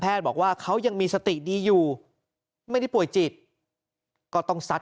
บอกว่าเขายังมีสติดีอยู่ไม่ได้ป่วยจิตก็ต้องซัด